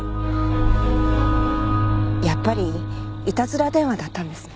やっぱりいたずら電話だったんですね。